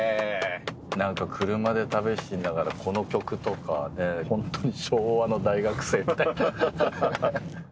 何か車で旅しながらこの曲とかホントに昭和の大学生みたい。